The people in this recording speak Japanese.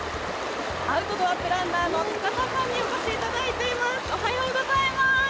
アウトドアプランナーの高田さんにお越しいただいています。